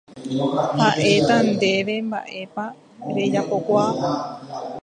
Ha'éta ndéve mba'épa rejapokuaa.